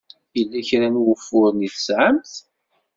Yella kra n wufuren ay tesɛamt?